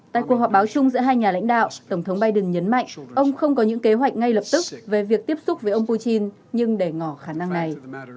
tại cuộc họp báo chung giữa hai nhà lãnh đạo tổng thống biden nhấn mạnh ông không có những kế hoạch ngay lập tức về việc tiếp xúc với ông putin nhưng để ngỏ khả năng này